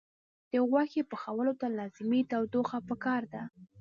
د غوښې پخولو ته لازمي تودوخه پکار ده.